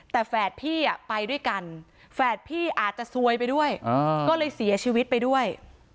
แต่แฝดพี่ไปด้วยกันแฝดพี่อาจจะซวยไปด้วยก็เลยเสียชีวิตไปด้วย